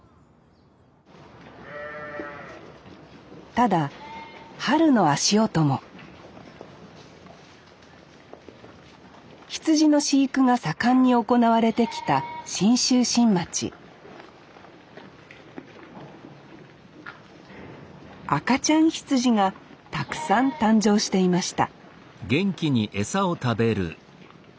ただ春の足音も羊の飼育が盛んに行われてきた信州新町赤ちゃん羊がたくさん誕生していました